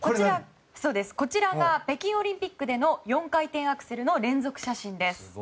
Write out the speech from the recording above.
こちらは北京オリンピックでの４回転アクセルの連続写真です。